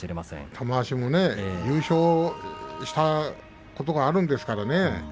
玉鷲も優勝したことがあるんですからね。